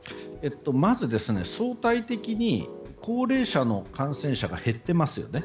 まず、相対的に高齢者の感染者が減っていますよね。